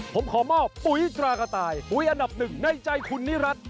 ผมขอมอบปุ๋ยตรากระต่ายปุ๋ยอันดับหนึ่งในใจคุณนิรัติ